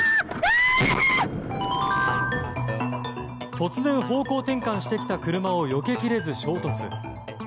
突然、方向転換してきた車をよけきれず衝突。